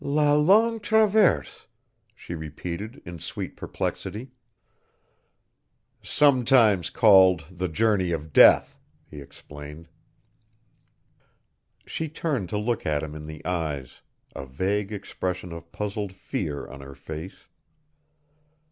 "La Longue Traverse," she repeated in sweet perplexity. "Sometimes called the Journey of Death," he explained. She turned to look him in the eyes, a vague expression of puzzled fear on her face.